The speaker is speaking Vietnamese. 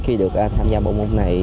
khi được tham gia bộ môn này